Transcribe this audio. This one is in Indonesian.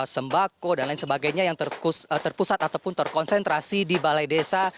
sembako dan lain sebagainya yang terpusat ataupun terkonsentrasi di balai desa